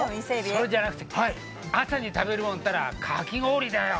それじゃなくて朝に食べるもんといったらかき氷だよ。